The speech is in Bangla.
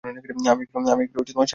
আমি একটু সাহায্য করেছি।